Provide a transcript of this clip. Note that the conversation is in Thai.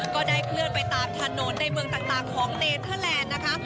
ก็ได้เคลื่อนไปตามถนนในเมืองต่างของเนเทอร์แลนด์นะคะ